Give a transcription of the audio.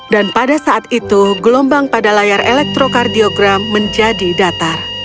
dan pada saat itu gelombang pada layar elektrokardiogram menjadi datar